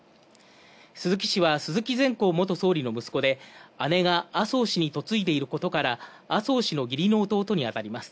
鈴木氏は鈴木善幸元総理の息子で姉が麻生氏に嫁いでいることから麻生氏の義理の弟に当たります。